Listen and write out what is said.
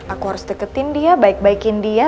aku harus deketin dia baik baikin dia